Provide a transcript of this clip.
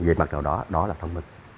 về mặt nào đó đó là thông minh